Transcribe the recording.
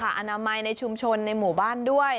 ทีมันไม่ในชุมชนในหมู่บ้านด้วย